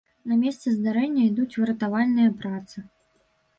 На месцы здарэння ідуць выратавальныя працы.